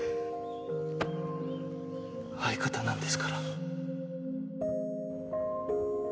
相方なんですから。